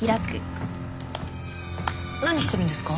何してるんですか？